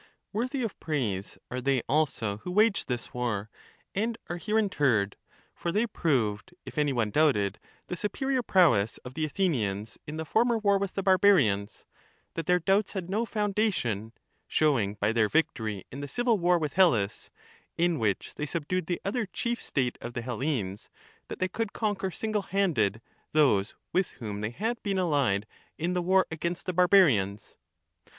Worthy of praise are they also who waged this war, and are here interred ; for they proved, if any one doubted the superior prowess of the Athenians in the former war with the barbarians, that their doubts had no foundation — showing by their victory in the civil war with Hellas, in which they subdued the other chief state of the Hellenes, that they could conquer single handed those with whom they had been allied in the war against the barbarians.